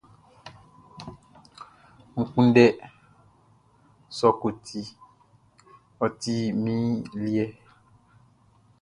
N kunndɛ sɔkɔti, ɔ ti min liɛ!